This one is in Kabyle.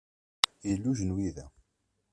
Yella ujenwi da.